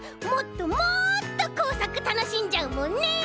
もっともっとこうさくたのしんじゃうもんね！